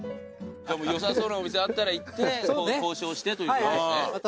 よさそうなお店あったら行って交渉してということですね。